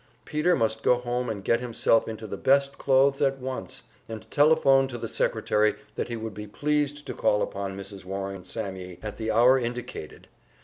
Peter must go home and get himself into his best clothes at once, and telephone to the secretary that he would be pleased to call upon Mrs. Warring Sammye at the hour indicated.